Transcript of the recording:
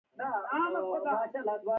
دلبران که هر څو ډېر دي په جهان کې.